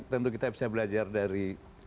tentu kita bisa belajar dari